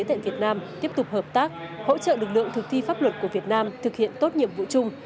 tại việt nam tiếp tục hợp tác hỗ trợ lực lượng thực thi pháp luật của việt nam thực hiện tốt nhiệm vụ chung